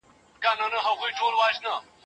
غوره انسان هغه دی.